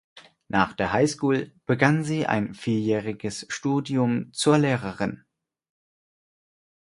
Nach der High School begann sie ein vierjähriges Studium zur Lehrerin.